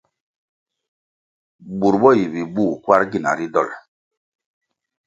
Bur bo yi bibuh kwarʼ gina ri dolʼ.